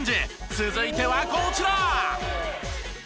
続いてはこちら！